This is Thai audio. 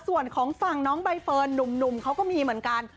ส่วนของฝั่งน้องใบเฟิร์นหนุ่มเขาก็มีเหมือนกัน